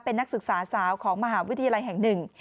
เป็นนักศึกษาสาวของมหาวิทยาลัยแห่งหนึ่ง